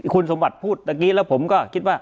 คุณสมบัติพูดเมื่อกี้แล้วผมก็คิดว่า